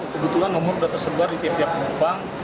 kebetulan nomor sudah tersebar di tiap tiap penumpang